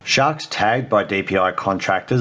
shark yang ditandai oleh kontraktor dpi